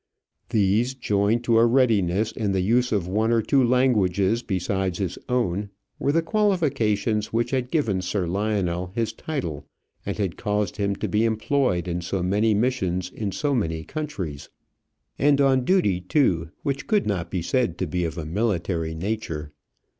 These, joined to a readiness in the use of one or two languages besides his own, were the qualifications which had given Sir Lionel his title, and had caused him to be employed in so many missions in so many countries; and on duty, too, which could not be said to be of a military nature.